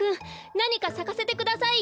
なにかさかせてくださいよ。